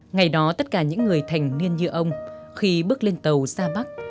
ngày đó tất cả những người thành niên như ông khi bước lên tàu xa bắc